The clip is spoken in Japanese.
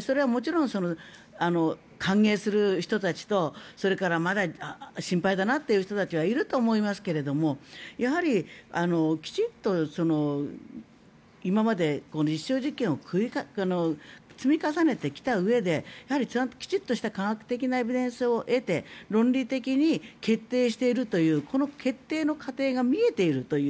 それはもちろん歓迎する人たちとそれからまだ心配だなという人たちがいると思いますがやはりきちんと今まで実証実験を積み重ねてきたうえで科学的なエビデンスを得て論理的に決定しているというこの決定の過程がはっきり見えているという。